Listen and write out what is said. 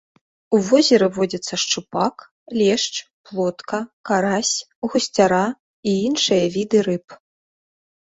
У возеры водзяцца шчупак, лешч, плотка, карась, гусцяра і іншыя віды рыб.